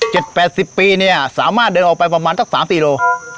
แปดสิบปีเนี่ยสามารถเดินออกไปประมาณสักสามกิโล